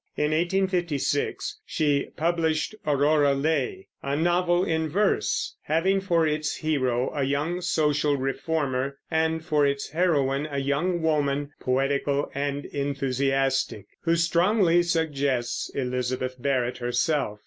In 1856 she published Aurora Leigh, a novel in verse, having for its hero a young social reformer, and for its heroine a young woman, poetical and enthusiastic, who strongly suggests Elizabeth Barrett herself.